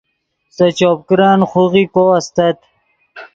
سے چوپ کرن خوغیکو استت